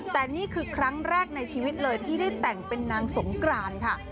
แต่นี่คือครั้งแรกในชีวิตเลยที่ได้แต่งเป็นนางสงกรานค่ะ